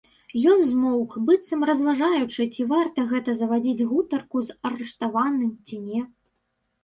Ён змоўк, быццам разважаючы, ці варта гэта завадзіць гутарку з арыштаваным, ці не.